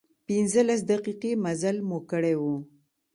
پنځلس دقيقې مزل مو کړی و.